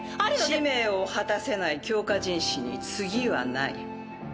使命を果たせない強化人士に次はない。